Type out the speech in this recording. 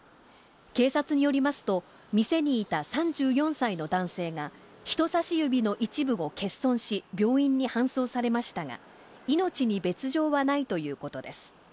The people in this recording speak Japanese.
警察によりますと、店にいた３４歳の男性が人さし指の一部を欠損し、病院に搬送されましたが、命に別状はないということです。